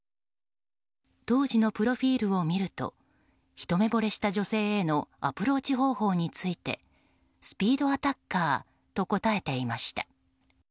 当時のプロフィールを見るとひと目ぼれした女性へのアプローチ方法についてスピードアタッカーと答えていました。